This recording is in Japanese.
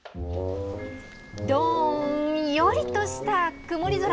どんよりとした曇り空。